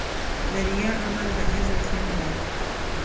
د ریا عمل د اجر خنډ دی.